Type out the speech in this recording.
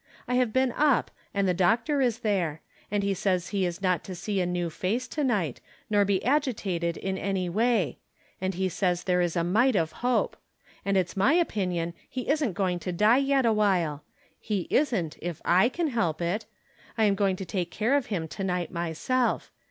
I have been up, and the doctor is there ; and he says he is not to see a new face to night, nor be agitated in any way ; and he says there is a mite of hope. And it's my opinion he isn't going to die yet awhile ; he isn't, if I can help it. I am going to take care of him to night myself.